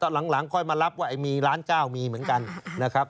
หลังค่อยมารับว่ามีล้านเก้ามีเหมือนกันนะครับ